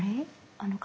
あの方？